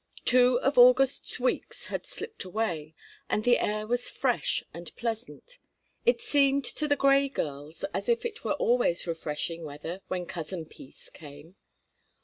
Two of August's weeks had slipped away, and the air was fresh and pleasant. It seemed to the Grey girls as if it were always refreshing weather when "Cousin Peace" came.